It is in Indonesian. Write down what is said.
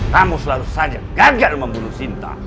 kamu selalu saja gagal membunuh sinta